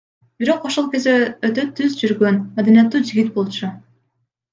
Бирок ошол кезде өтө түз жүргөн, маданияттуу жигит болчу.